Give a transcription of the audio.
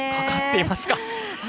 かかっていますか。